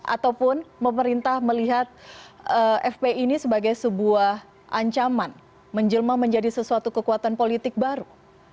ataupun pemerintah melihat fpi ini sebagai sebuah ancaman menjelma menjadi sesuatu kekuatan politik baru